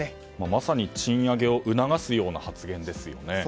まさに賃上げを促すような発言ですよね。